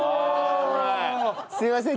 すいません。